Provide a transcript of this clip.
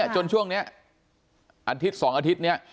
จนช่วงนี้อาทิตย์๒อาทิตย์นี้